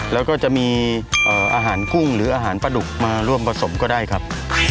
แล้วก็จะมีอาหารกุ้งหรืออาหารปลาดุกมาร่วมผสมก็ได้ครับ